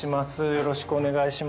よろしくお願いします。